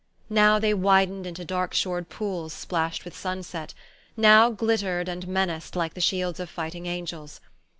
Now they widened into dark shored pools splashed with sunset, now glittered and menaced like the shields of fighting angels.